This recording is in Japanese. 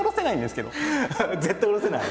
絶対降ろせない？